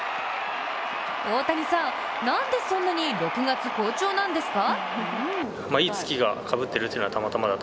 大谷さん、何でそんなに６月好調なんですか？